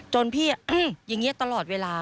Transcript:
พี่อย่างนี้ตลอดเวลา